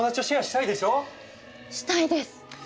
したいです。